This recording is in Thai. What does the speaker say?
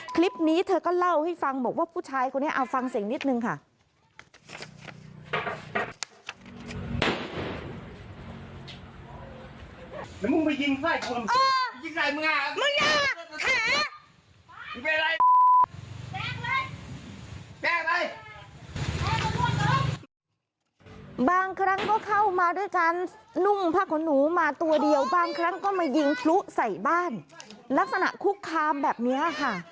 คลิปนี้เธอก็เล่าให้ฟังบอกว่าผู้ชายคนนี้เอาฟังเสียงนิดนึงค่ะบางครั้งก็เข้ามาด้วยการนุ่มพ่อคุณหนูมาตัวเดียวบางครั้งก็มายิงพลุใส่บ้านลักษณะคุกคามแบบนี้ค่ะ